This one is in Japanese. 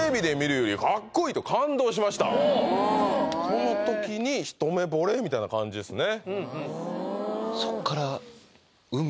なってこの時に一目惚れみたいな感じですね